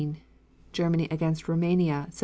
Germany against Roumania, Sept.